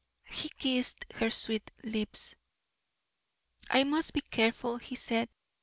He kissed her sweet lips. "I must be careful," he said.